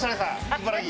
茨城。